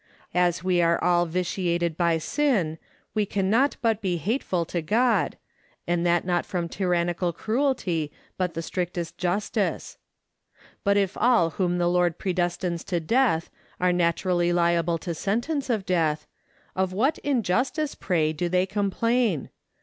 As we are all vitiated by sin, we cannot but be hateful to God, and that not from tyrannical cruelty, but the strictest justice. But if all whom the Lord predestines to death are naturally liable to sentence of death, of what injustice, pray, do they complain?